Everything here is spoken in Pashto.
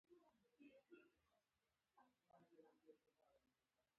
سباته د پاکستان وجود به د تاريخ هېره افسانه وي.